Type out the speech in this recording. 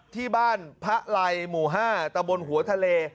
ที่บ้านพระไลหมู่๕ตะบนหัวทะเล